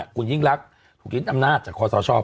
คุณยิ่งรักถูกยึดอำนาจจากคอสช